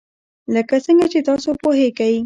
لکه څنګه چې تاسو پوهیږئ.